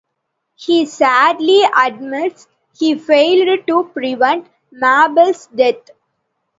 He sadly admits he failed to prevent Mabelle's death.